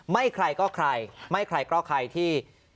ไม่ใครก็ใครไม่ใครก็ใครที่